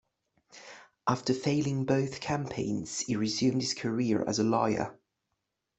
After failing both campaigns, he resumed his career as a lawyer.